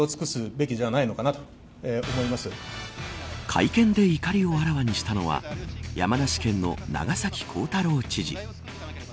会見で怒りをあらわにしたのは山梨県の長崎幸太郎知事。